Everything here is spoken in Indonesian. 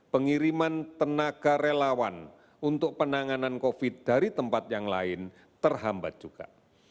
pengiriman tenaga relawan untuk penanganan covid dari tempat yang lain terhambat juga